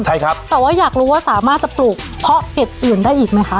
ใช่ครับแต่ว่าอยากรู้ว่าสามารถจะปลูกเพาะเป็ดอื่นได้อีกไหมคะ